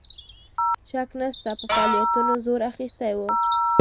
شک نسته چې فعالیتونو زور اخیستی وو.